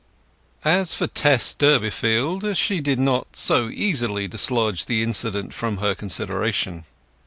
III As for Tess Durbeyfield, she did not so easily dislodge the incident from her consideration.